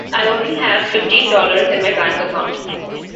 I only have fifteen dollars in my bank account.